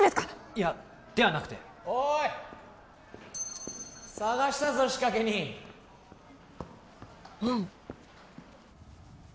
いやではなくておい捜したぞ仕掛け人真雄